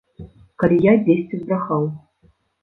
Калі я дзесьці збрахаў.